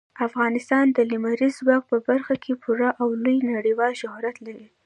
افغانستان د لمریز ځواک په برخه کې پوره او لوی نړیوال شهرت لري.